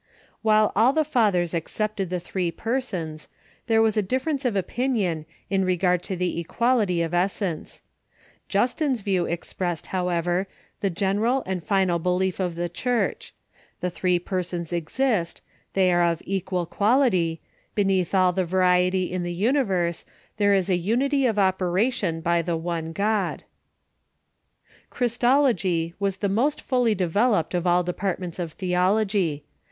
While all the Fathers accepted the three persons, there was a difference of opinion in regard to the equality of essence, Justin's view expressed, however, the general and final belief of the Church : The three persons exist ; they are of equal quality ; beneath all the variety in the universe there is a unity of operation by the one God. Christology was the most fully developed of all departments of theology.